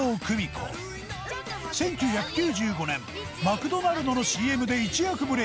１９９５年マクドナルドの ＣＭ で一躍ブレイク